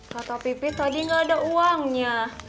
kata pipi tadi gak ada uangnya